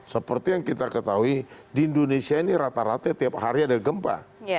seperti yang kita ketahui di indonesia ini rata rata tiap hari ada gempa